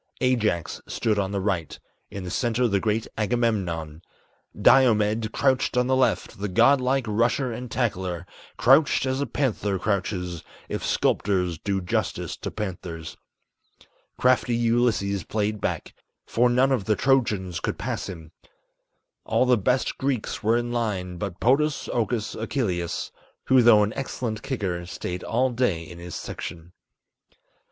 Ajax stood on the right; in the center the great Agamemnon; Diomed crouched on the left, the god like rusher and tackler, Crouched as a panther crouches, if sculptors do justice to panthers. Crafty Ulysses played back, for none of the Trojans could pass him, All the best Greeks were in line, but Podas Okus Achilleus, Who though an excellent kicker stayed all day in his section.